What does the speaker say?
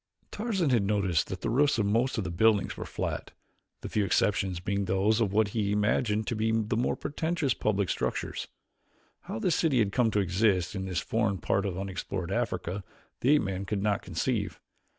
Tarzan had noticed that the roofs of most of the buildings were flat, the few exceptions being those of what he imagined to be the more pretentious public structures. How this city had come to exist in this forgotten part of unexplored Africa the ape man could not conceive.